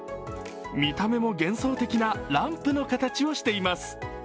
見た目も幻想的なランプの形をしています。